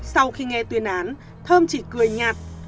sau khi nghe tuyên án thơm chỉ cười nhạt